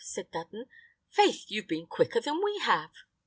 said Dudden. "Faith, you've been quicker than we have."